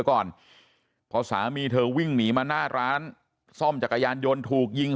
ก่อนพอสามีเธอวิ่งหนีมาหน้าร้านซ่อมจักรยานยนต์ถูกยิง